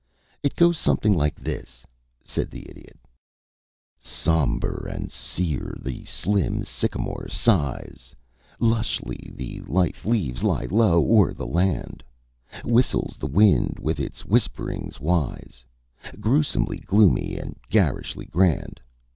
"It goes something like this," said the Idiot: "Sombre and sere the slim sycamore sighs; Lushly the lithe leaves lie low o'er the land; Whistles the wind with its whisperings wise, Grewsomely gloomy and garishly grand.